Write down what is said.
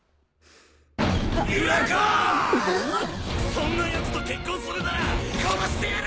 そんなヤツと結婚するなら殺してやる！